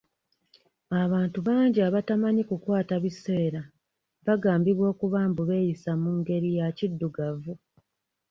Abantu bangi abatamyi kukwata biseera bagambibwa okuba mbu beeyisa mu ngeri ya kiddugavu.